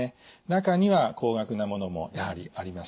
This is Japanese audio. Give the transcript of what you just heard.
中には高額なものもやはりあります。